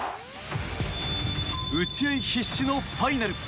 打ち合い必至のファイナル。